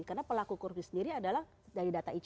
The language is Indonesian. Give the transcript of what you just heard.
karena pelaku korupsi sendiri adalah dari data icp